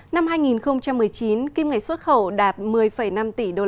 năm hai nghìn một mươi chín kim ngạch xuất khẩu đạt một mươi năm tỷ usd